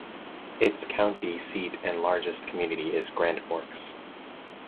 Its county seat and largest community is Grand Forks.